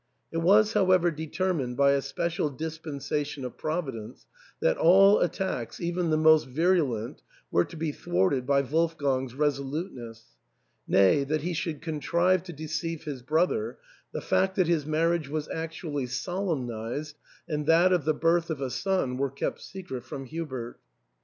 It was, however, determined by a special dispensation of Providence that all attacks, even the most virulent, were to be thwarted by Wolfgang's resoluteness ; nay, that he should contrive to deceive his brother : the fact that his marriage was actually solemnised and that of the birth of a son were kept secret from Hubert.